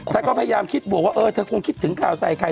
เธอก็พยายามคิดบวกว่าเออเธอคงคิดถึงข่าวใส่ไข่